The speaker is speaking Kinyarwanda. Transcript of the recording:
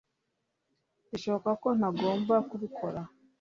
birashoboka ko ntagomba kubikora